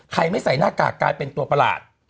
ไม่ใส่หน้ากากกลายเป็นตัวประหลาด